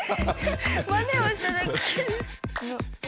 まねをしただけです。